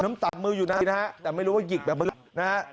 ต่ำมืออยู่ไหนนะฮะแต่ไม่รู้ว่าหยิกแบบมือนะฮะ